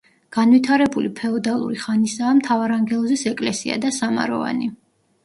განვითარებული ფეოდალური ხანისაა მთავარანგელოზის ეკლესია და სამაროვანი.